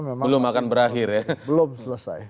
belum akan berakhir ya belum selesai